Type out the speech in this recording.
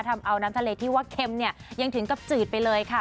ทำเอาน้ำทะเลที่ว่าเค็มเนี่ยยังถึงกับจืดไปเลยค่ะ